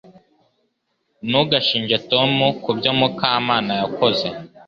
Ntugashinje Tom kubyo Mukamana yakoze